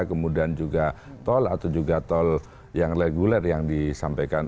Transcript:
kemudian juga tol atau juga tol yang reguler yang disampaikan